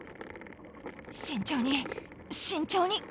慎重に慎重に。